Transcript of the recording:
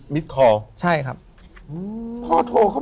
ถูกต้องไหมครับถูกต้องไหมครับ